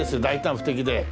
大胆不敵で。